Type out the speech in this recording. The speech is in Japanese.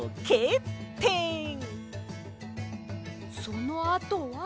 そのあとは。